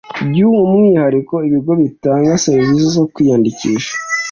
Byu umwihariko ibigo bitanga serivisi zo kwiyandikisha